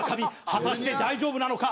果たして大丈夫なのか？